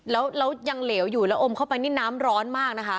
แล้วยังเหลวอยู่แล้วอมเข้าไปนี่น้ำร้อนมากนะคะ